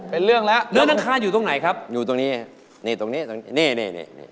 เป็นเรื่องแล้วเนื้อนังคารอยู่ตรงไหนครับอยู่ตรงนี้ตรงนี้นี่